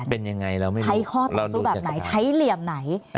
เป็นยังไงแล้วไม่รู้ใช้ข้อต่อสู้แบบไหนใช้เหลี่ยมไหน